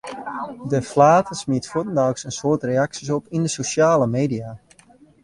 De flater smiet fuortendaliks in soad reaksjes op yn de sosjale media.